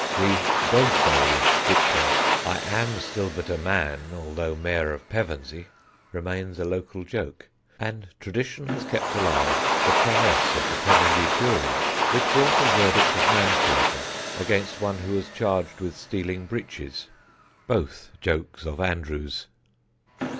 The Dogberryish dictum "I am still but a man, although Mayor of Pevensey," remains a local joke, and tradition has kept alive the prowess of the Pevensey jury which brought a verdict of manslaughter against one who was charged with stealing breeches; both jokes of Andrew's.